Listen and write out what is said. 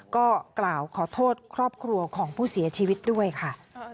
ก็กล่าวขอโทษครอบครัวของผู้เสียชีวิตด้วยค่ะ